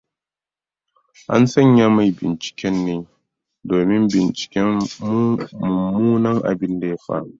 An sanya mai binciken ne domin binciken mummunan abinda ya faru.